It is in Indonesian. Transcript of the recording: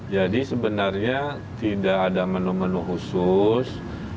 jadi sebenarnya tidak ada menu menu khusus